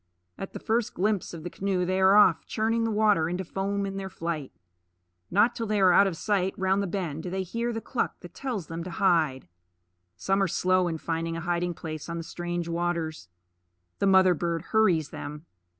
At the first glimpse of the canoe they are off, churning the water into foam in their flight. Not till they are out of sight round the bend do they hear the cluck that tells them to hide. Some are slow in finding a hiding place on the strange waters. The mother bird hurries them.